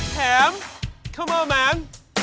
แถมมาเถอะพวก